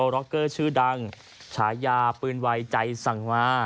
ร็อกเกอร์ชื่อดังฉายาปืนไวใจสั่งมา